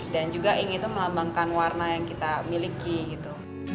dan juga ing itu melambangkan warna yang kita miliki gitu